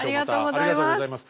ありがとうございます。